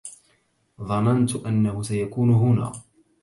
ظننت أنه سيكون هنا.